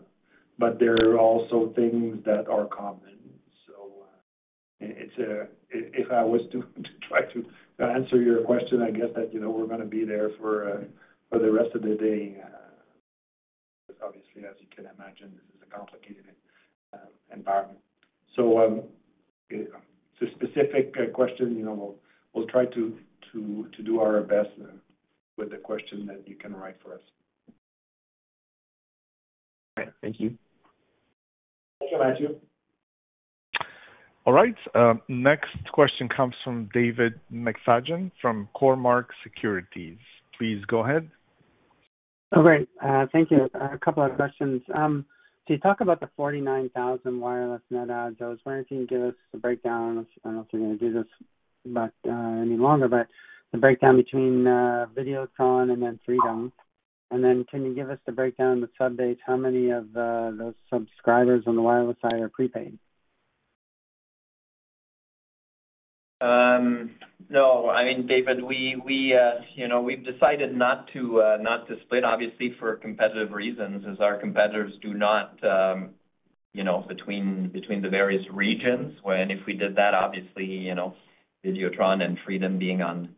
There are also things that are common. If, if I was to, to try to answer your question, I guess that, you know, we're gonna be there for the rest of the day, because obviously, as you can imagine, this is a complicated environment. It's a specific question, you know, we'll, we'll try to, to, to do our best with the question that you can write for us. Thank you. Thank you, Matthew. All right, next question comes from David McFadgen from Cormark Securities. Please go ahead. Oh, great. Thank you. A couple of questions. You talk about the 49,000 wireless net adds. I was wondering if you can give us a breakdown, I don't know if you're gonna do this, but any longer, but the breakdown between Videotron and then Freedom. Can you give us the breakdown, the subbase, how many of those subscribers on the wireless side are prepaid? No. I mean, David, we, we, you know, we've decided not to, not to split, obviously, for competitive reasons, as our competitors do not, you know, between, between the various regions. When if we did that, obviously, you know, Videotron and Freedom being on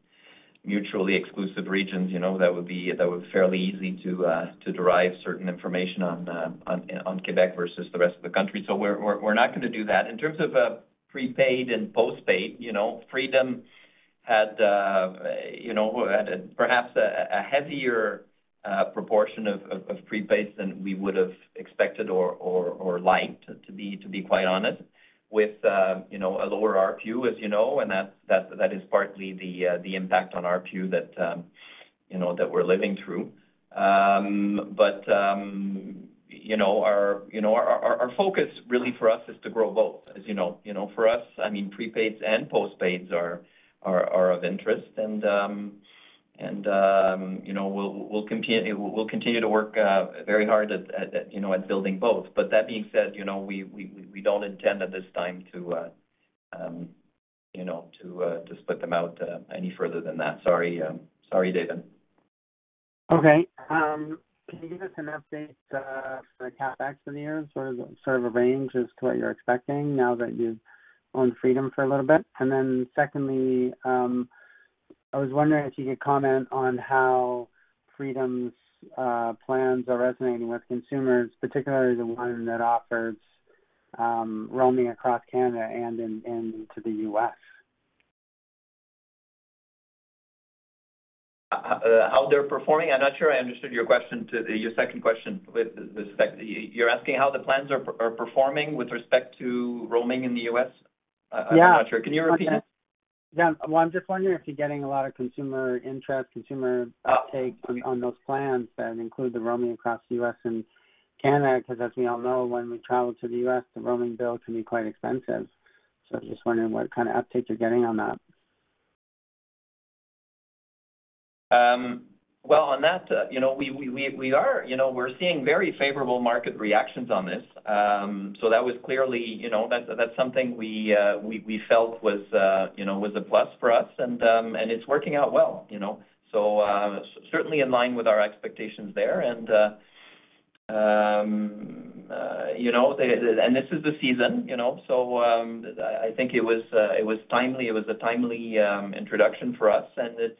mutually exclusive regions, you know, that would be fairly easy to derive certain information on, on, on Quebec versus the rest of the country. We're, we're, we're not gonna do that. In terms of prepaid and postpaid, you know, Freedom had, you know, perhaps a heavier proportion of prepaid than we would have expected or liked to be, to be quite honest, with, you know, a lower ARPU, as you know. That's, that, that is partly the impact on ARPU that, you know, that we're living through. You know, our, you know, our, our, our focus really for us is to grow both. As you know, you know, for us, I mean, prepaids and postpaids are, are, are of interest and, you know, we'll, we'll continue, we'll continue to work very hard at, at, you know, at building both. That being said, you know, we, we, we don't intend at this time to, you know, to split them out, any further than that. Sorry, sorry, David. Okay. Can you give us an update for the CapEx for the year? Sort of, sort of a range as to what you're expecting now that you've owned Freedom for a little bit? Secondly, I was wondering if you could comment on how Freedom's plans are resonating with consumers, particularly the one that offers roaming across Canada and in, and to the U.S.? How they're performing? I'm not sure I understood your question to the... Your second question with the spec. You're asking how the plans are performing with respect to roaming in the U.S.? Yeah. I'm not sure. Can you repeat? Yeah. Well, I'm just wondering if you're getting a lot of consumer interest, consumer uptake- Oh. on those plans that include the roaming across the U.S. and Canada, because as we all know, when we travel to the U.S., the roaming bill can be quite expensive. I'm just wondering what kind of uptake you're getting on that? Well, on that, you know, we, we, we, we are, you know, we're seeing very favorable market reactions on this. That was clearly, you know, that's, that's something we, we felt was, you know, was a plus for us. It's working out well, you know, so certainly in line with our expectations there. You know, and this is the season, you know, so I, I think it was, it was timely, it was a timely introduction for us. It's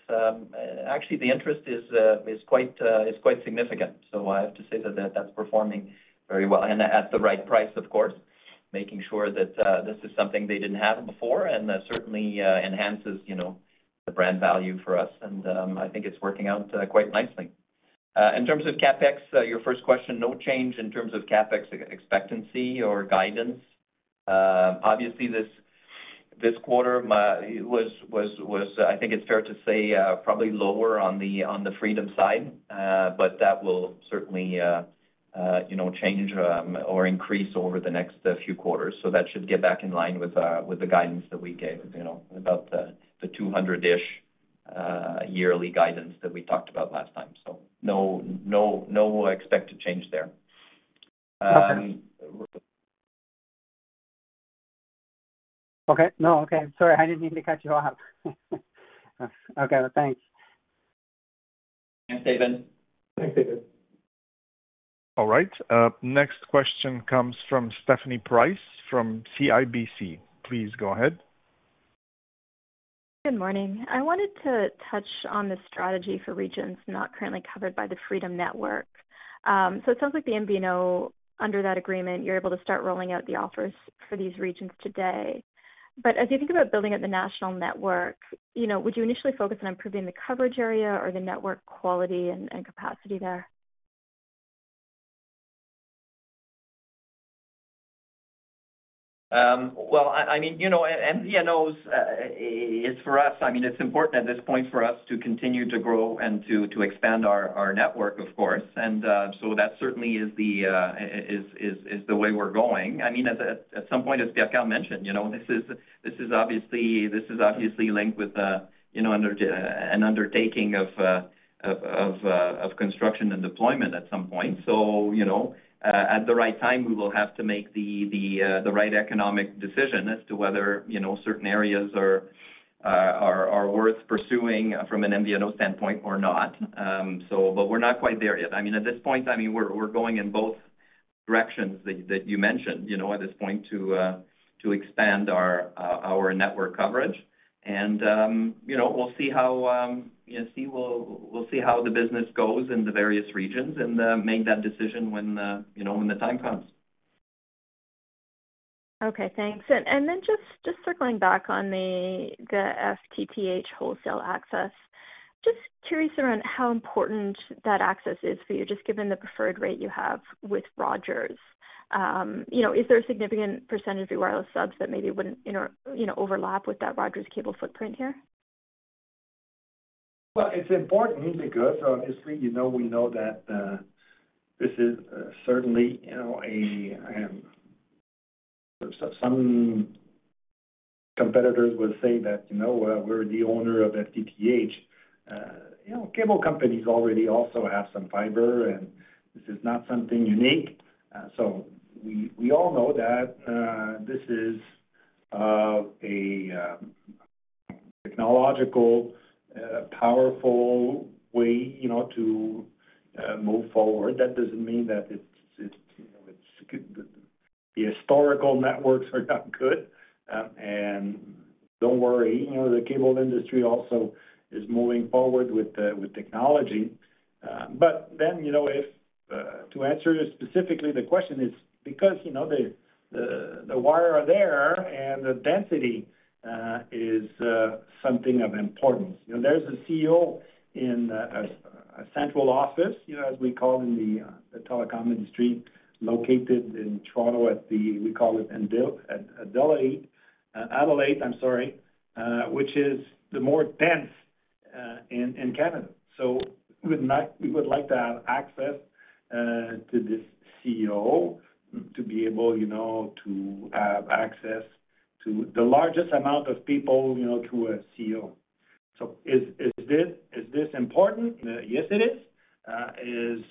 actually, the interest is quite, is quite significant. I have to say that that that's performing very well and at the right price, of course, making sure that this is something they didn't have before and certainly enhances, you know, the brand value for us. I think it's working out quite nicely. In terms of CapEx, your first question, no change in terms of CapEx expectancy or guidance. Obviously, this quarter was, I think it's fair to say, probably lower on the Freedom side. That will certainly, you know, change or increase over the next few quarters. That should get back in line with the guidance that we gave, you know, about the 200-ish yearly guidance that we talked about last time. No, no, no expected change there. Okay. No. Okay. Sorry, I didn't mean to cut you off. Okay, thanks. Thanks, David. Thanks, David. All right, next question comes from Stephanie Price from CIBC. Please go ahead. Good morning. I wanted to touch on the strategy for regions not currently covered by the Freedom network. It sounds like the MVNO, under that agreement, you're able to start rolling out the offers for these regions today. As you think about building out the national network, you know, would you initially focus on improving the coverage area or the network quality and capacity there? Um, well, I, I mean, you know, MVNOs, uh, is for us, I mean, it's important at this point for us to continue to grow and to, to expand our, our network, of course. And, uh, so that certainly is the, uh, is, is, is the way we're going. I mean, at, at some point, as Pierre Karl mentioned, you know, this is, this is obviously, this is obviously linked with, uh, you know, under- an undertaking of, uh, of, of, uh, of construction and deployment at some point. So, you know, uh, at the right time, we will have to make the, the, uh, the right economic decision as to whether, you know, certain areas are, uh, are, are worth pursuing from an MVNO standpoint or not. Um, so but we're not quite there yet. I mean, at this point, I mean, we're, we're going in both directions that you, that you mentioned, you know, at this point to expand our network coverage. You know, we'll see how, you know, see, we'll, we'll see how the business goes in the various regions and make that decision when the, you know, when the time comes. Okay, thanks. And then just, just circling back on the, the FTTH wholesale access. Just curious around how important that access is for you, just given the preferred rate you have with Rogers. You know, is there a significant percentage of your wireless subs that maybe wouldn't you know, overlap with that Rogers Cable footprint here? Well, it's important because obviously, you know, we know that this is certainly, you know, a... Some competitors would say that, you know, we're the owner of FTTH. You know, cable companies already also have some fiber, and this is not something unique. We, we all know that this is a technological, powerful way, you know, to move forward. That doesn't mean that it's, it's, you know, it's, the historical networks are not good. Don't worry, you know, the cable industry also is moving forward with technology. Then, you know, if to answer specifically the question is because, you know, the, the, the wire are there and the density is something of importance. You know, there's a CO in a central office, you know, as we call in the telecom industry, located in Toronto at the Adelaide. Adelaide, I'm sorry, which is the more dense in Canada. We would like to have access to this CO to be able, you know, to have access to the largest amount of people, you know, to a CO. Is this important? Yes, it is. Is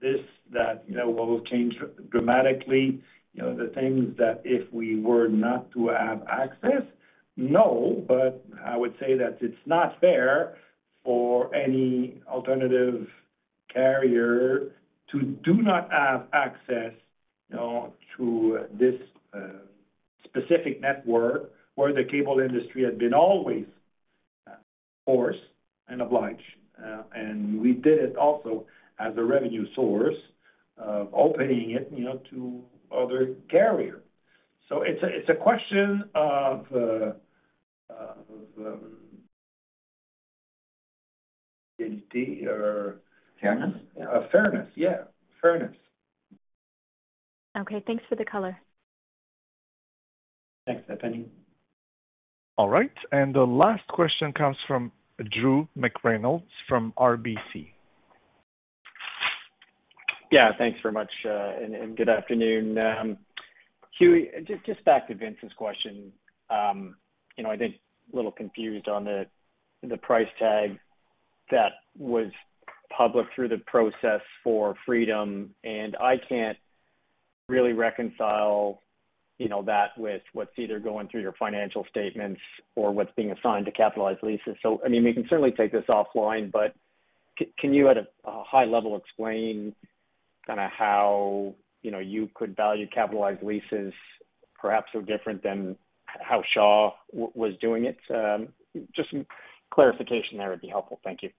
this that, you know, will change dramatically, the things that if we were not to have access? No, I would say that it's not fair for any alternative carrier to do not have access, you know, to this specific network, where the cable industry had been always, of course, and obliged. We did it also as a revenue source, of opening it, you know, to other carrier. It's a, it's a question of identity or- Fairness. fairness. Yeah, fairness. Okay, thanks for the color. Thanks, Stephanie. All right, the last question comes from Drew McReynolds from RBC. Yeah, thanks very much, and good afternoon. Hugh, just, just back to Vince's question. You know, I think a little confused on the price tag that was published through the process for Freedom, and I can't really reconcile, you know, that with what's either going through your financial statements or what's being assigned to capitalized leases. I mean, we can certainly take this offline, but can you, at a high level, explain kinda how, you know, you could value capitalized leases perhaps so different than how Shaw was doing it? Just some clarification there would be helpful. Thank you.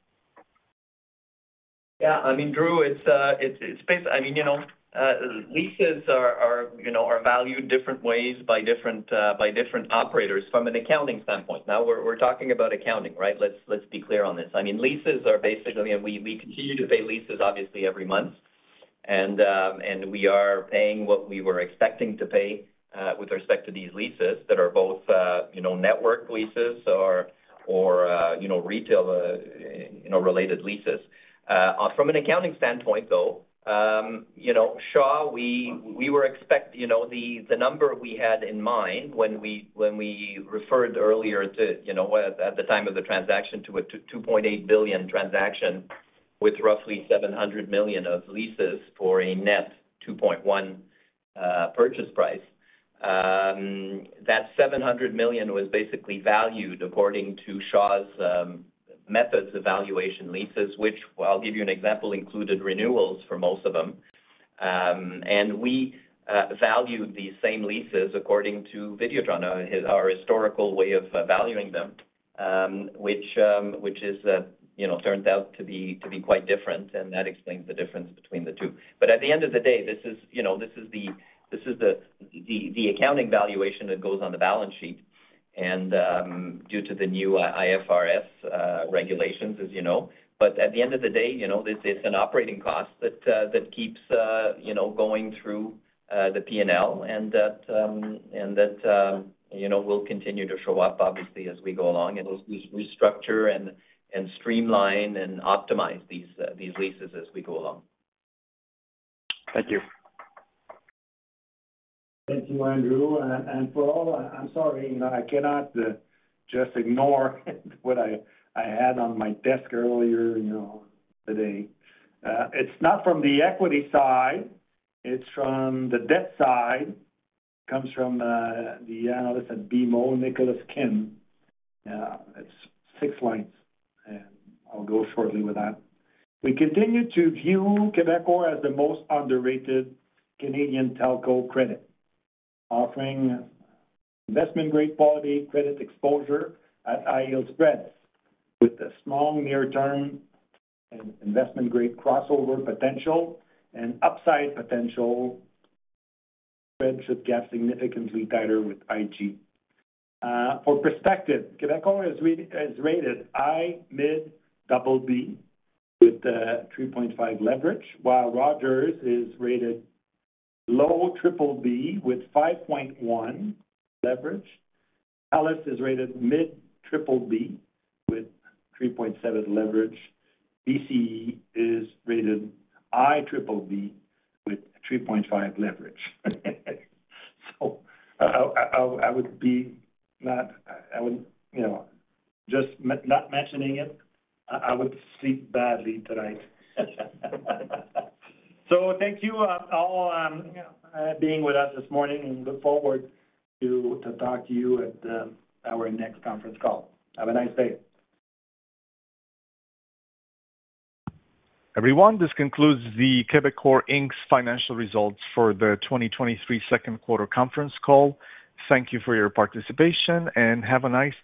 Yeah. I mean, Drew, it's, it's, it's, I mean, you know, leases are, are, you know, are valued different ways by different, by different operators from an accounting standpoint. Now, we're, we're talking about accounting, right? Let's, let's be clear on this. I mean, leases are basically, I mean, we, we continue to pay leases obviously every month, and we are paying what we were expecting to pay, with respect to these leases that are both, you know, network leases or, or, you know, retail, you know, related leases. From an accounting standpoint, though, you know, Shaw, we were you know, the number we had in mind when we referred earlier to, you know, the time of the transaction, to a 2.8 billion transaction with roughly 700 million of leases for a net 2.1 purchase price. That 700 million was basically valued according to Shaw's methods of valuation leases, which, well, I'll give you an example, included renewals for most of them. We valued these same leases according to Videotron, our historical way of valuing them, which is, you know, turned out to be quite different, and that explains the difference between the two. At the end of the day, this is, you know, this is the, this is the, the, the accounting valuation that goes on the balance sheet, and due to the new IFRS regulations, as you know. At the end of the day, you know, this, it's an operating cost that that keeps, you know, going through the P&L, and that and that, you know, will continue to show up obviously as we go along, and we'll restructure and streamline and optimize these leases as we go along. Thank you. Thank you, Andrew. For all, I'm sorry, you know, I cannot just ignore what I, I had on my desk earlier, you know, today. It's not from the equity side, it's from the debt side. Comes from the analyst at BMO, Nicolas Kim. It's 6 lines, and I'll go shortly with that. "We continue to view Quebecor as the most underrated Canadian telco credit, offering investment-grade quality credit exposure at high-yield spreads with a small near-term investment-grade crossover potential and upside potential spreads should gap significantly tighter with IG. For perspective, Quebecor is rated high mid BB with a 3.5 leverage, while Rogers is rated low BBB with 5.1 leverage. Telus is rated mid BBB with 3.7 leverage. BCE is rated high BBB with 3.5 leverage. I would, you know, just not mentioning it, I, I would sleep badly tonight. Thank you, all, being with us this morning, and look forward to, to talk to you at, our next conference call. Have a nice day. Everyone, this concludes the Quebecor Inc.'s financial results for the 2023 Q2 conference call. Thank you for your participation, and have a nice day.